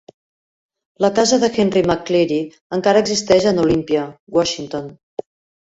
La casa de Henry McCleary encara existeix en Olympia, Washington.